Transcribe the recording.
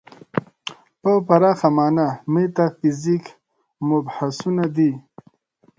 په پراخه معنا میتافیزیک مبحثونه دي.